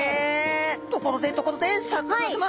ところでところでシャーク香音さま。